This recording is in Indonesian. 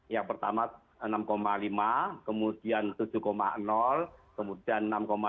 yang pertama enam lima kemudian tujuh kemudian enam tujuh